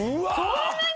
そんなに？